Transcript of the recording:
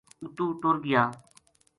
اُتو ٹُر گیا